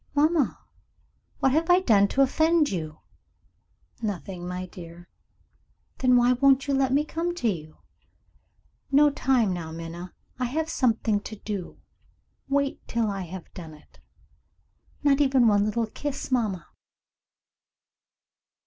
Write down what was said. "Mamma! what have I done to offend you?" "Nothing, my dear." "Then why won't you let me come to you?" "No time now, Minna. I have something to do. Wait till I have done it." "Not even one little kiss, mamma?"